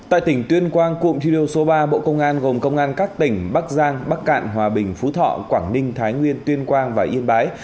tại tỉnh tuyên quang cụm thi đua số ba bộ công an gồm công an các tỉnh bắc giang bắc cạn hòa bình phú thọ quảng ninh thái nguyên tuyên quang và yên bái